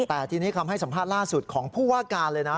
แต่ทีนี้คำให้สัมภาษณ์ล่าสุดของผู้ว่าการเลยนะ